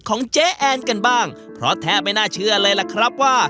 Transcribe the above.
ของเจ๊แอนกันบ้างเพราะแทบไม่น่าเชื่อเลยล่ะครับว่า